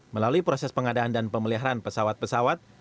melalui proses pengadaan dan pemeliharaan pesawat pesawat